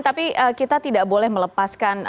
tapi kita tidak boleh melepaskan